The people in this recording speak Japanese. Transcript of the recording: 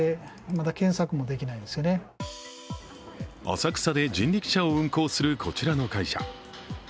浅草で人力車を運行するこちらの会社。